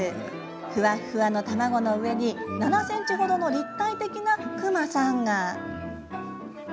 ふわっふわの卵の上に７ｃｍほどの立体的なくまさんが。